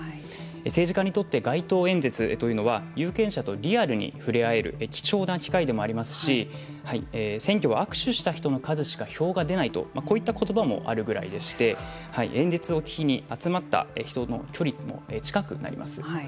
政治家にとって街頭演説というのは有権者とリアルに触れ合える貴重な機会でもありますし選挙は握手した人の数しか票が出ないとこういった言葉もあるぐらいでして演説を機に集まった人の距離も近くなります。